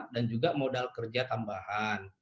dan juga modal kerja tambahan